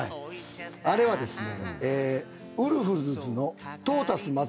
あれはですね。